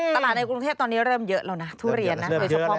ตลาดในกรุงเทพตอนนี้เริ่มเยอะแล้วนะ